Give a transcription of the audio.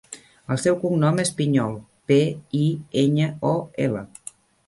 El seu cognom és Piñol: pe, i, enya, o, ela.